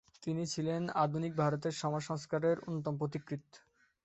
তিনি ছিলেন আধুনিক ভারতের সমাজ সংস্কারের অন্যতম পথিকৃৎ।